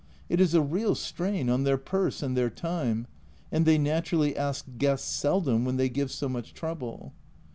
It is a real strain on their purse and their time, and they naturally ask guests seldom when they give so much trouble.